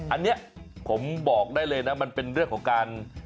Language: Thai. อันนี้ผมบอกได้เลยนะมันเป็นเรื่องของการ